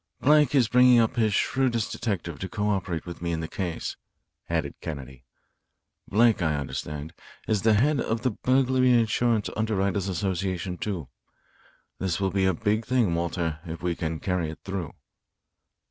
"Blake is bringing up his shrewdest detective to co operate with me in the case," added Kennedy. "Blake, I understand, is the head of the Burglary Insurance Underwriters' Association, too. This will be a big thing, Walter, if we can carry it through."